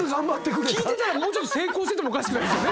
聞いてたらもうちょっと成功しててもおかしくない。